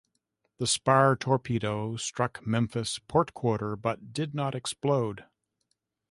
The spar torpedo struck "Memphis" port quarter but did not explode.